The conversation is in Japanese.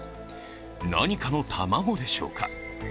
何かの卵でしょうか。